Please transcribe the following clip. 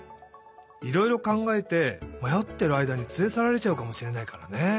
いろいろかんがえてまよってるあいだにつれさられちゃうかもしれないからね。